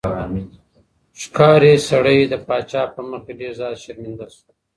ښکاري سړی د پاچا په مخ کې ډېر زیات شرمنده شو.